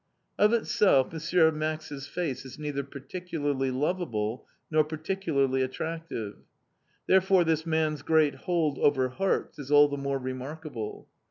Of itself, M. Max's face is neither particularly loveable, nor particularly attractive. Therefore, this man's great hold over hearts is all the more remarkable.